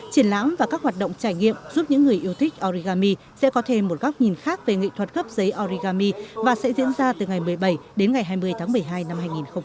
triển lãm và các hoạt động trải nghiệm giúp những người yêu thích origami sẽ có thêm một góc nhìn khác về nghệ thuật gấp giấy origami và sẽ diễn ra từ ngày một mươi bảy đến ngày hai mươi tháng một mươi hai năm hai nghìn hai mươi